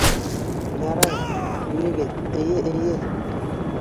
Ярай... килегеҙ... эйе, эйе...